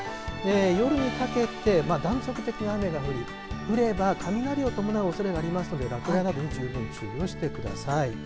夜にかけて断続的に雨が降り降れば雷を伴うおそれがありますので落雷など十分注意してください。